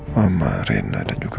mama rena dan juga